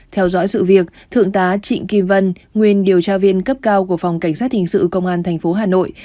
theo dõi sự việc thượng tá trịnh kim vân nguyên điều tra viên cấp cao của phòng cảnh sát hình sự công an tp hà nội